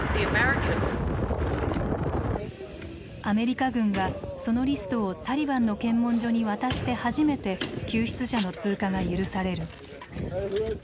アメリカ軍がそのリストをタリバンの検問所に渡して初めて救出者の通過が許される。